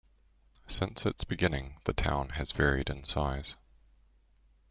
Since its beginning, the town has varied in size.